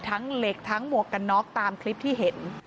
เหล็กทั้งหมวกกันน็อกตามคลิปที่เห็น